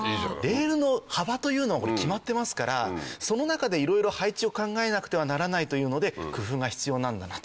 レールの幅というのは決まってますからその中でいろいろ配置を考えなくてはならないというので工夫が必要なんだなと。